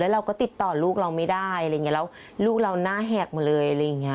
แล้วเราก็ติดต่อลูกเราไม่ได้แล้วลูกเราน่าแหกมาเลย